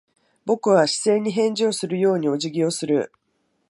僕は視線に返事をするようにお辞儀をする。